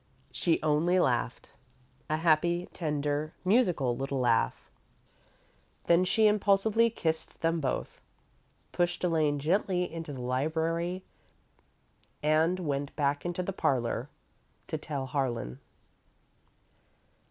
She only laughed a happy, tender, musical little laugh. Then she impulsively kissed them both, pushed Elaine gently into the library, and went back into the parlour to tell Harlan.